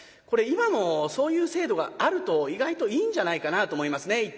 これ今もそういう制度があると意外といいんじゃないかなと思いますね。